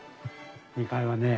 ２階はね